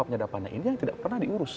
penyadapannya ini yang tidak pernah diurus